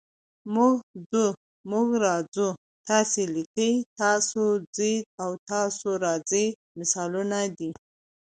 موږ ځو، موږ راځو، تاسې لیکئ، تاسو ځئ او تاسو راځئ مثالونه دي.